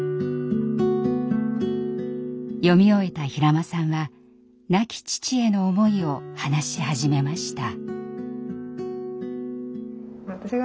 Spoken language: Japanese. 読み終えた平間さんは亡き父への思いを話し始めました。